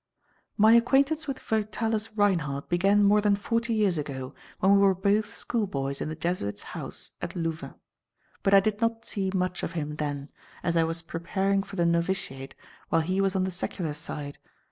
"My acquaintance with Vitalis Reinhardt began more than forty years ago, when we were both schoolboys in the Jesuit's house at Louvain. But I did not see much of him then, as I was preparing for the novitiate while he was on the secular side.